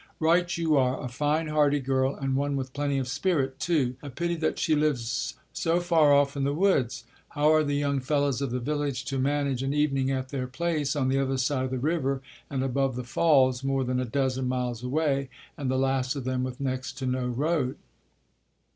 "Right you are! A fine hearty girl, and one with plenty of spirit too. A pity that she lives so far off in the woods. How are the young fellows of the village to manage an evening at their place, on the other side of the river and above the falls, more than a dozen miles away and the last of them with next to no road?"